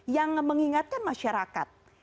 yang mengingatkan masyarakat